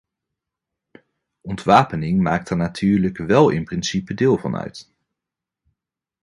Ontwapening maakt daar natuurlijk wel in principe deel van uit.